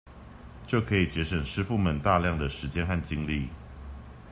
就可以節省師傅們大量的時間和精力